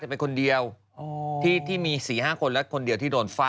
นี้เคยผ่านมาแล้วนะ